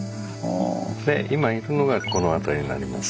で今いるのがこの辺りになります。